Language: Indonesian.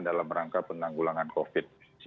dalam rangka penanggulangan covid sembilan belas